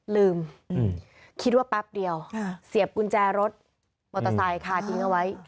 ลืมคิดว่าแป๊บเดียวเสียบกุญแจรถมอเตอร์ไซค์ค่ะทิ้งเอาไว้